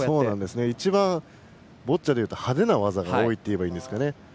一番ボッチャでいうと派手な技が多いというんですかね。